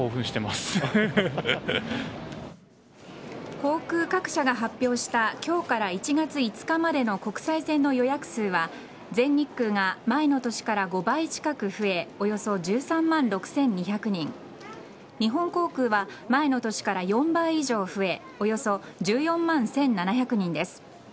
航空各社が発表した今日から１月５日までの国際線の予約数は全日空が前の年から５倍近く増えおよそ１３万６２００人日本航空は前の年から４倍以上増えおよそ１４万１７００人です。